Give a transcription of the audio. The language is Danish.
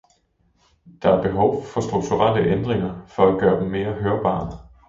Der er behov for strukturelle ændringer for at gøre dem mere hørbare.